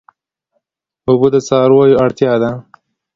اوبه د څارویو اړتیا ده.